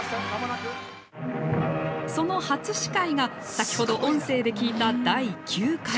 その初司会が先ほど音声で聞いた第９回。